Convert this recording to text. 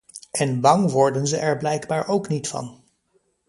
En bang worden ze er blijkbaar ook niet van.